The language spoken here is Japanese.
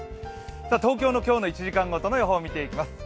東京の今日の１時間ごとの予報を見ていきます。